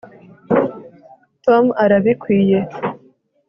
tom arabikwiye